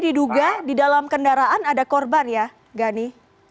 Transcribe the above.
diduga di dalam kendaraan ada korban ya gani